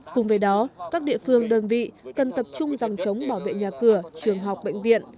cùng với đó các địa phương đơn vị cần tập trung dòng chống bảo vệ nhà cửa trường học bệnh viện